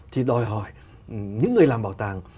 thì đòi hỏi những người làm bảo tàng